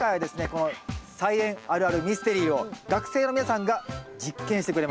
この菜園あるあるミステリーを学生の皆さんが実験してくれました。